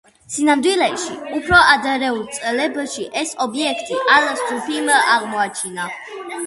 სინამდვილეში, უფრო ადრეულ წლებში ეს ობიექტი ალ-სუფიმ აღმოაჩინა.